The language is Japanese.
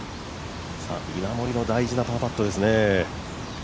稲森の大事なパーパットですね。